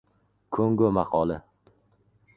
Kongo maqoli